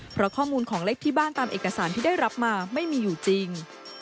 เพราะข้อมูลของเลขที่บ้านตามเอกสารที่ได้รับมาไม่มีอยู่จริง